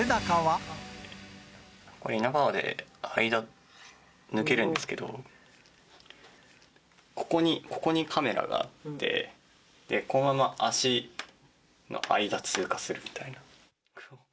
これ、イナバウアーで間抜けるんですけど、ここにカメラがあって、このまま足の間、通過するみたいな。